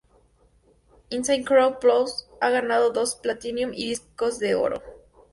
Insane Clown Posse ha ganado dos platinum y tres discos de oro.